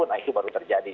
nah itu baru terjadi